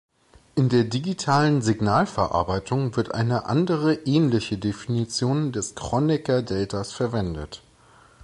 In der digitalen Signalverarbeitung wird eine andere ähnliche Definition des Kronecker-Deltas verwendet.